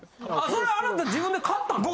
それあなた自分で買ったの？